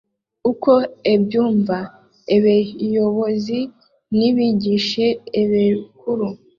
uko ebyumve. ebeyobozi nibigishe ebekuru